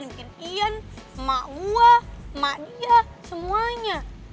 mungkin ian emak gue emak dia semuanya